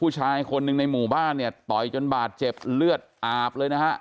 จนบาดเจ็บเลือดอาบเลยนะฮะ